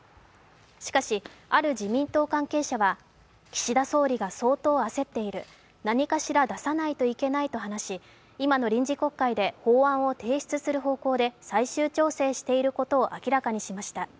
しかし、ある自民党関係者は、岸田総理が相当焦っている、何かしら出さないといけないと話し今の臨時国会で法案を提出する方向で最終調整していることを明らかにしました。